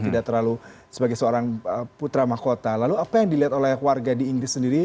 tidak terlalu sebagai seorang putra mahkota lalu apa yang dilihat oleh warga di inggris sendiri